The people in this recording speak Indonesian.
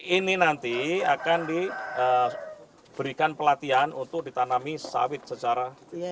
ini nanti akan diberikan pelatihan untuk ditanami sawit secara